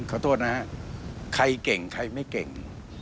ขอโทษนะฮะใครเก่งใครไม่เก่ง